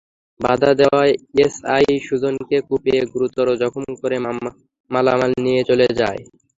বাধা দেওয়ায় এসআই সুজনকে কুপিয়ে গুরুতর জখম করে মালামাল নিয়ে চলে যায়।